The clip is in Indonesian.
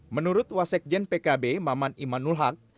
menurut wasekjen pkb maman imanulhat